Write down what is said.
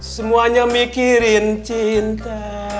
semuanya mikirin cinta